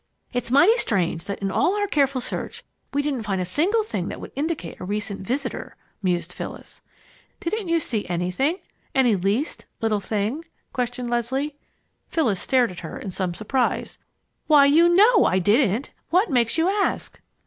"It's mighty strange that in all our careful search we didn't find a single thing that would indicate a recent visitor," mused Phyllis. "Didn't you see anything any least little thing?" questioned Leslie. Phyllis stared at her in some surprise. "Why, you know I didn't! What makes you ask?"